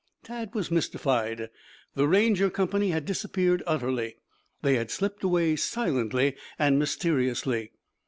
Tad was mystified. The Ranger company had disappeared utterly. They had slipped away silently and mysteriously.